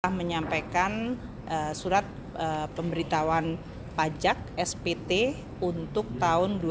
telah menyampaikan surat pemberitahuan pajak spt untuk tahun dua ribu dua puluh